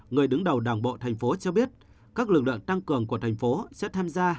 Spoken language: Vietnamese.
người đứng đầu đảng bộ tp hcm cho biết các lực lượng tăng cường của tp hcm sẽ tham gia